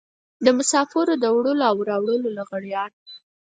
د مسافرو د وړلو او راوړلو لغړيان.